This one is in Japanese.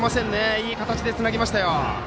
いい形でつなぎましたよ。